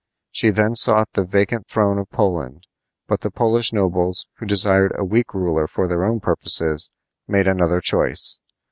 She then sought the vacant throne of Poland; but the Polish nobles, who desired a weak ruler for their own purposes, made another choice.